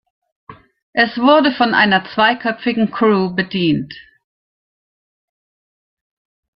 Es wurde von einer zweiköpfigen Crew bedient.